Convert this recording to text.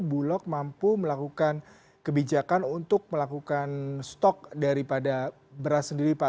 bulog mampu melakukan kebijakan untuk melakukan stok daripada beras sendiri pak